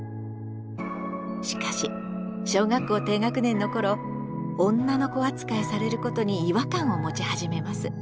しかし小学校低学年の頃「女の子」扱いされることに違和感を持ち始めます。